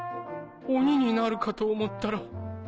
鬼になるかと思ったら。